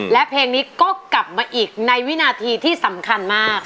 และเพลงนี้ก็กลับมาอีกในวินาทีที่สำคัญมาก